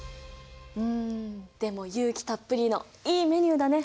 んでも有機たっぷりのいいメニューだね。